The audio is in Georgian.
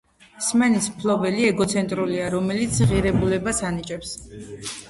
სმენის მფლობელი ეგოცენტრულია, რომელიც ღირებულებას ანიჭებს